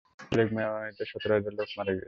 ঐ প্লেগ মহামারীতে সত্তর হাজার লোক মারা গিয়েছিল।